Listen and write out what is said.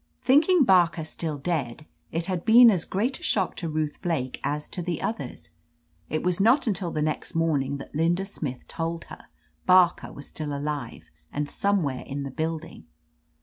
"Thinking Barker still dead, it had been as great a shock to Ruth Blake as to the others. It was not until the next morning that Linda Smith told her Barker was still alive, and somewhere in the building.